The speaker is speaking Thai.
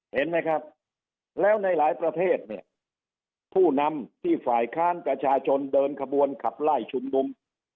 เห็นไหมครับแล้วในหลายประเทศเนี่ยผู้นำที่ฝ่ายค้านประชาชนเดินขบวนขับไล่ชุมนุม